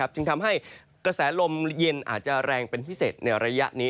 จึงทำให้กระแสลมเย็นอาจจะแรงเป็นพิเศษในระยะนี้